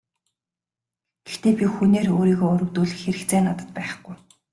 Гэхдээ би хүнээр өөрийгөө өрөвдүүлэх хэрэгцээ надад байхгүй.